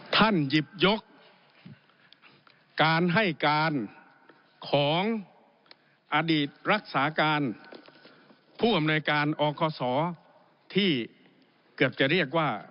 ท่านหยิบยกการให้การของอดีตรักษาการผู้อำนวยการอคศที่เกือบจะเรียกว่า